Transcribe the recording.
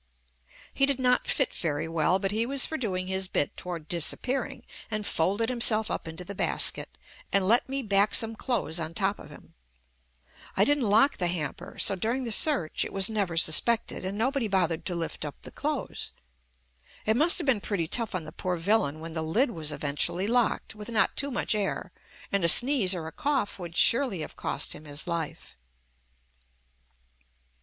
JUST ME He did not fit very well, but he was for doing his bit toward disappearing, and folded him self up into the basket, and let me back some clothes on top of him. I didn't lock the hamper, so during the search, it was never suspected, and nobody bothered to lift up the clothes. It must have been pretty tough on the poor villain when the lid was eventually locked with not too much air and a sneeze or a cough would surely have cost him his life.